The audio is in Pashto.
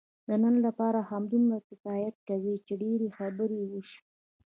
د نن لپاره همدومره کفایت کوي، چې ډېرې خبرې وشوې.